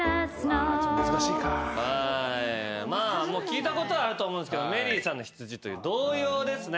聞いたことあると思うんですけど『メリーさんのひつじ』という童謡。